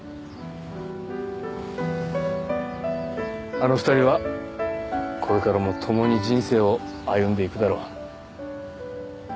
あの２人はこれからも共に人生を歩んでいくだろう。